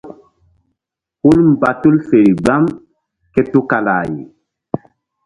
Hul mba tul feri gbam ké tukala-ay.